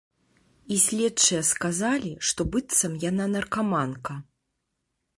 І следчыя сказалі, што быццам яна наркаманка.